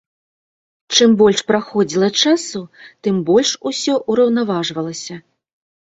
Чым больш праходзіла часу, тым больш усё ўраўнаважвалася.